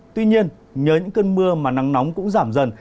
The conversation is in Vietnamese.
tuy nhiên nhờ những cơn mưa mà nắng nóng cũng giảm dần